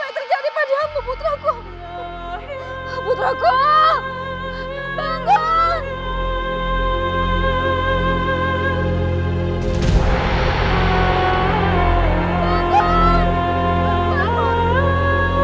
ambuing ambuing ger prabu